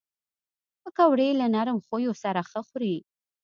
پکورې له نرم خویو سره ښه خوري